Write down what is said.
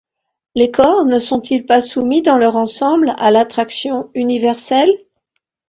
Les corps ne sont-ils pas soumis dans leur ensemble à l’attraction universelle ?